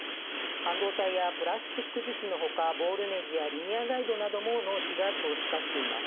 半導体やプラスチック、ボールネジやリニアガイドなども納期が長期化しています。